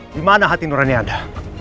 di mana hati nur rani anda